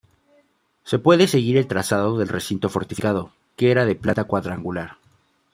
Se puede seguir el trazado del recinto fortificado, que era de planta cuadrangular.